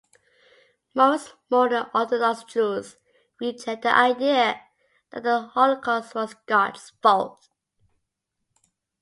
Most Modern Orthodox Jews reject the idea that the Holocaust was God's fault.